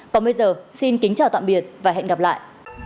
còn bây giờ xin kính chào tạm biệt và hẹn gặp lại